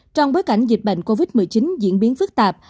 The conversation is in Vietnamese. trong bối cảnh dịch bệnh covid một mươi chín diễn biến phức tạp